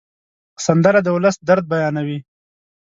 سندره د ولس درد بیانوي